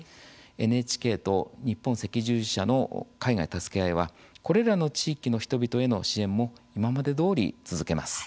ＮＨＫと日本赤十字社の「海外たすけあい」はこれらの地域の人々への支援も今までどおり続けます。